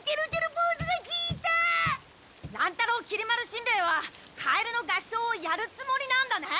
乱太郎きり丸しんべヱは「カエルの合唱」をやるつもりなんだね？